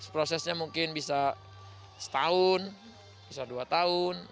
prosesnya mungkin bisa setahun bisa dua tahun